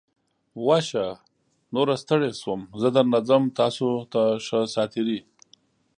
وشه. نوره ستړی شوم. زه درنه څم. تاسو ته ښه ساعتېری!